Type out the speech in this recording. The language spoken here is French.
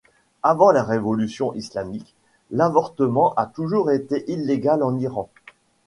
Avant la révolution islamique, l'avortement a toujours été illégal en Iran.